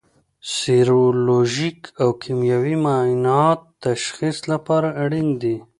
سیرولوژیک او کیمیاوي معاینات د تشخیص لپاره اړین دي.